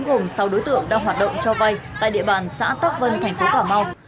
gồm sáu đối tượng đang hoạt động cho vay tại địa bàn xã tắc vân thành phố cà mau